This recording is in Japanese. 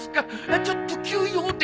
ちょっと急用で。